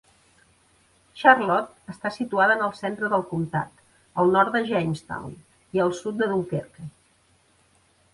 Charlotte està situada en el centre del comtat, al nord de Jamestown i al sud de Dunkerque.